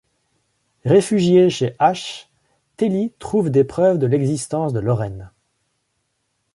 Réfugiée chez Ash, Telly trouve des preuves de l'existence de Lauren.